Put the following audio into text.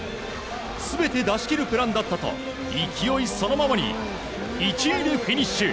全て出し切るプランだったと勢いそのままに１位でフィニッシュ。